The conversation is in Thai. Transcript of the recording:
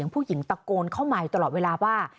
ผู้หญิงตะโกนเข้ามาตลอดเวลาว่า